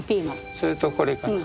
それとこれかな。